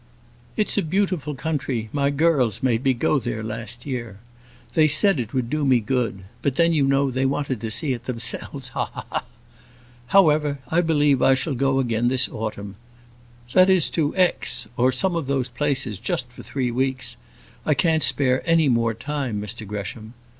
"It's a beautiful country; my girls made me go there last year. They said it would do me good; but then you know, they wanted to see it themselves; ha! ha! ha! However, I believe I shall go again this autumn. That is to Aix, or some of those places; just for three weeks. I can't spare any more time, Mr Gresham.